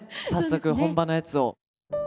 早速本場のやつを。